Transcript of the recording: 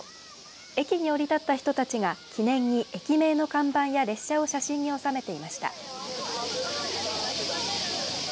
駅に降り立った人たちが記念に駅名の看板や列車を写真に収めていました。